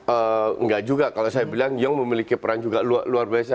enggak juga kalau saya bilang young memiliki peran juga luar biasa